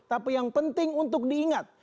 tapi yang penting untuk diingat